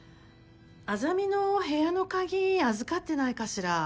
莇の部屋の鍵預かってないかしら？